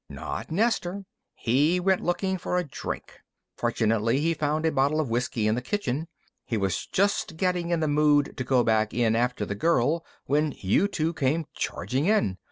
Not Nestor. He went looking for a drink. Fortunately, he found a bottle of whisky in the kitchen. He was just getting in the mood to go back in after the girl when you two came charging in.